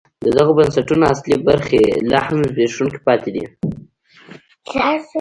د دغو بنسټونو اصلي برخې لا هم زبېښونکي پاتې دي.